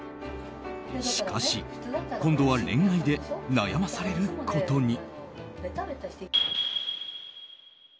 しかし、今度は恋愛で悩まされることに。